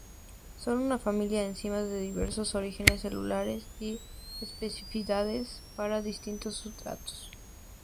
Son una familia de enzimas de diversos orígenes celulares y especificidades para distintos sustratos.